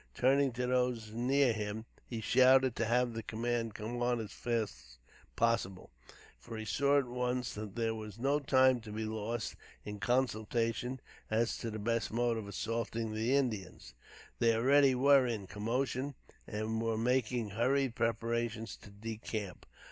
Turning to those near him, he shouted to have the command come on as fast as possible, for he saw at once that there was no time to be lost in consultation as to the best mode of assaulting the Indians. They, already, were in commotion, and were making hurried preparations to decamp.